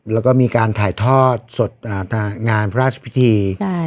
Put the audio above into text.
แล้วก็มีการถ่ายทอดสดงานพระราชพิธี